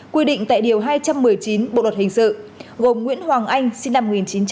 quy định tại điều hai trăm một mươi chín bộ luật hình sự gồm nguyễn hoàng anh sinh năm một nghìn chín trăm chín mươi